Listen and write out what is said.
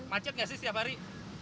macet gak sih setiap hari